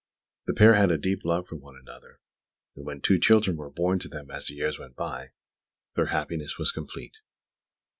The pair had a deep love for one another; and when two children were born to them as the years went by, their happiness was complete.